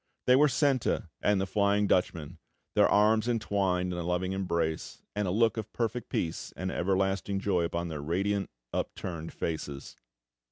They were Senta and the Flying Dutchman, their arms entwined in a loving embrace, and a look of perfect peace and everlasting joy upon their radiant, upturned faces.